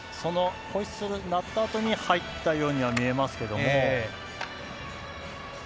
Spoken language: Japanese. ホイッスル、鳴ったあとに入ったようにも見えますけども。